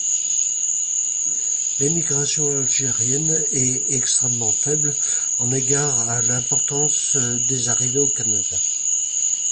L'émigration algérienne est extrêmement faible en égard à l'importance des arrivées au Canada.